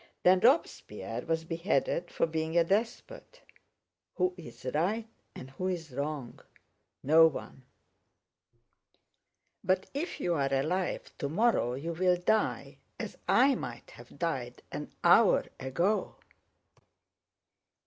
Then Robespierre was beheaded for being a despot. Who is right and who is wrong? No one! But if you are alive—live: tomorrow you'll die as I might have died an hour ago.